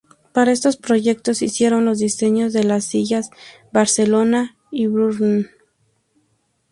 Para estos proyectos hicieron los diseños de las sillas Barcelona y Brno.